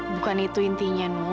bukan itu intinya nuk